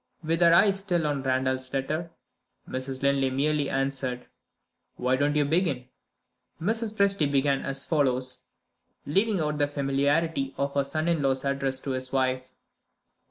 With her eyes still on Randal's letter, Mrs. Linley merely answered: "Why don't you begin?" Mrs. Presty began as follows, leaving out the familiarity of her son in law's address to his wife.